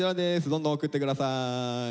どんどん送って下さい。